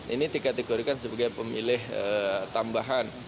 ini dikategorikan sebagai pemilih tambahan